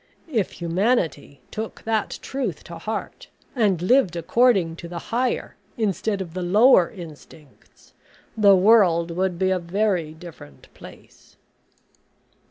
If humanity took that truth to heart, and lived according to the higher instead of the lower instincts, the world would be a very different place."